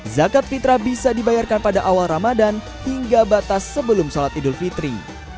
zakat fitrah bisa dibayarkan pada awal ramadan hingga batas sebelum sholat idul fitri